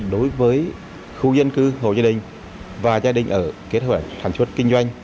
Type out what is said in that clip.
đối với khu dân cư hồ gia đình và gia đình ở kết hợp sản xuất kinh doanh